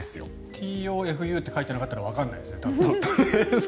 ＴＯＦＵって書いてなかったらわからないですね。